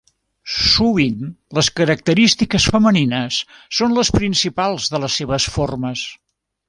Sovint les característiques femenines són les principals de les seves formes.